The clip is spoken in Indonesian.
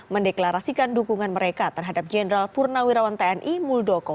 mendeklarasikan dukungan mereka terhadap jenderal purnawirawan tni muldoko